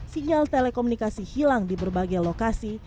sinyal telekomunikasi hilang di berbagai lokasi